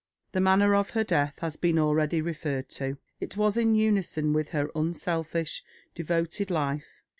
The manner of her death has been already referred to. It was in unison with her unselfish, devoted life.